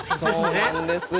そうなんですよ。